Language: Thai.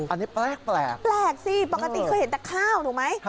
อันนี้แปลกแปลกสิปกติเคยเห็นแต่ข้าวถูกไหม